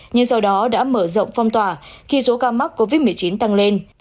nhưng sau đó đã mở rộng phong tỏa khi số ca mắc covid một mươi chín tăng lên